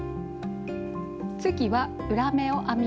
次は裏目を編みます。